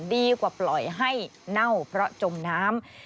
ดีกว่าปล่อยให้เน่าเพราะจมน้ำ